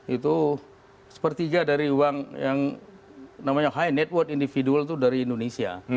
itu sepertiga dari uang yang namanya high network individual itu dari indonesia